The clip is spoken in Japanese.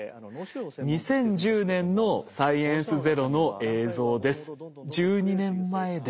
２０１０年の「サイエンスＺＥＲＯ」の映像です。